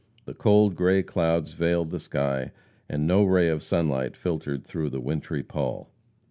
The cold gray clouds veiled the sky, and no ray of sunlight filtered through the wintry pall.